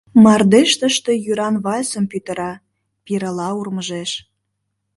Мардеж тыште йӱран вальсым пӱтыра, пирыла урмыжеш.